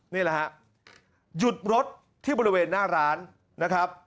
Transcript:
นี่แหละฮะหยุดรถที่บริเวณหน้าร้านนะครับ